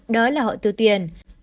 đó là họ tiêu tiền